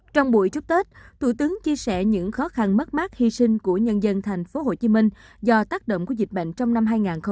trong buổi chúc tết thủ tướng chia sẻ những khó khăn mất mát hy sinh của nhân dân thành phố hồ chí minh do tác động của dịch bệnh trong năm hai nghìn hai mươi một